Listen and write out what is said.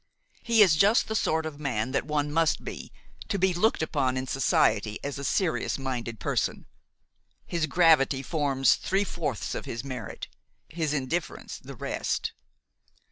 He is just the sort of man that one must be to be looked upon in society as a serious minded person. His gravity forms three fourths of his merit, his indifference the rest."